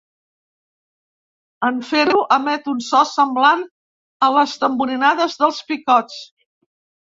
En fer-ho, emet un so semblant a les tamborinades dels picots.